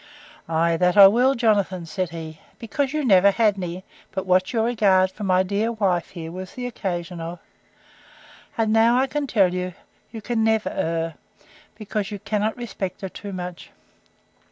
Ay, that I will, Jonathan, said he; because you never had any, but what your regard for my dear wife here was the occasion of. And now I can tell you, you can never err, because you cannot respect her too much.